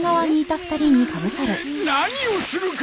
えっ！？何をするか！